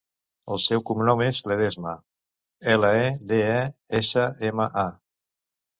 El seu cognom és Ledesma: ela, e, de, e, essa, ema, a.